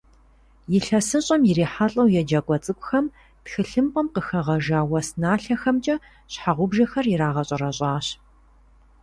Илъэсыщӏэм ирихьэлӏэу еджакӏуэ цӏыкӏухэм тхылъымпӏэм къыхагъэжа уэс налъэхэмкӏэ щхьэгъубжэхэр ирагъэщӏэрэщӏащ.